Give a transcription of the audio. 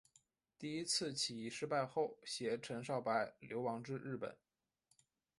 第一次起义失败后偕陈少白流亡至日本。